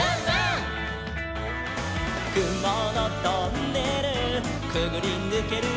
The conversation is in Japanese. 「くものトンネルくぐりぬけるよ」